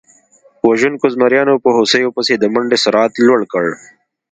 وژونکو زمریانو په هوسیو پسې د منډې سرعت لوړ کړ.